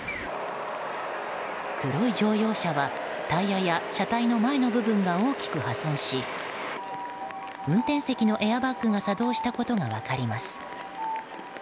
黒い乗用車はタイヤや車体の前の部分が大きく破損し運転席のエアバッグが作動したことが分かります。